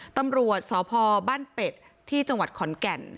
ตำรวจสพบ้านเป็ดที่จังหวัดขอนแก่น